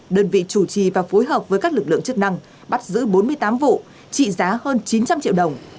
đơn vị chủ trì và phối hợp với các lực lượng chức năng bắt giữ bốn mươi tám vụ trị giá hơn chín trăm linh triệu đồng